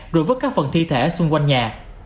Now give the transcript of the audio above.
rồi vứt các phần thi thể xung quanh nhà